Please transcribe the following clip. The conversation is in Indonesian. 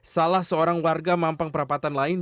salah seorang warga mampang perapatan lain